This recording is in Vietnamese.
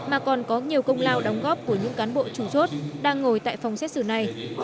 mà còn có nhiều công lao đóng góp của những cán bộ chủ chốt đang ngồi tại phòng xét xử này